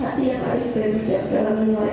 hati yang baik dan bijak dalam menilai